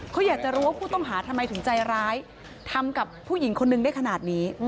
เขาอยากจะรู้ว่าผู้ต้องหาทำไมถึงใจร้ายทำกับผู้หญิงคนนึงได้ขนาดนี้